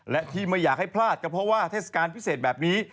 และที่ไม่อยากให้พลาดก็เพราะว่าเทศกาลพิเศษแบบนี้